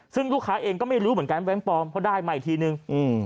ซึ่งลูกค้าเองก็ไม่รู้เหมือนกันแบงค์ปลอมเขาได้มาอีกทีนึง